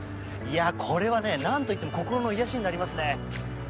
これはなんといっても心の癒やしになりますね。